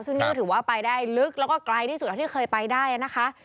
ซึ่งนี่ก็ถือว่าไปได้ลึกแล้วก็ไกลที่สุดเท่าที่เคยไปได้นะคะ